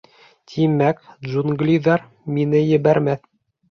— Тимәк, джунглиҙар мине ебәрмәҫ?